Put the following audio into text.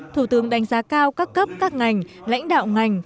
thủ tướng đánh giá cao các cấp các ngành lãnh đạo ngành